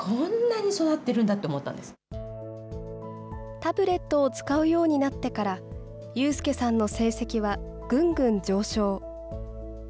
タブレットを使うようになってから、有祐さんの成績はぐんぐん上昇。